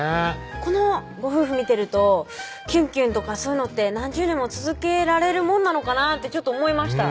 このご夫婦見てるときゅんきゅんとかそういうのって何十年も続けられるもんなのかなってちょっと思いました